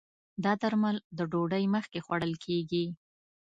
دا درمل د ډوډی مخکې خوړل کېږي